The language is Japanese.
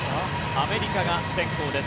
アメリカが先攻です。